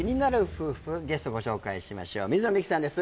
夫婦ゲストご紹介しましょう水野美紀さんです